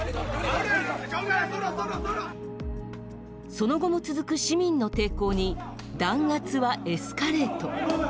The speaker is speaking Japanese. その後も続く市民の抵抗に弾圧はエスカレート。